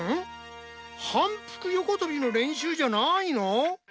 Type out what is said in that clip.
反復横とびの練習じゃないの？